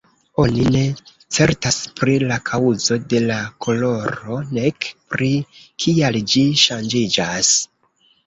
Oni ne certas pri la kaŭzo de la koloro nek pri kial ĝi ŝanĝiĝas.